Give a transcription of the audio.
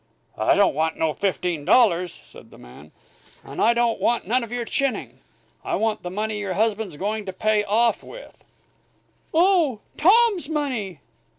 "I don't want no fifteen dollars," said the man; "and I don't want none of your chinning. I want the money your husband's going to pay off with " "Oh, Tom's money!"